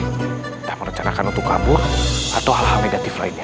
entah merencanakan untuk kabur atau hal hal negatif lainnya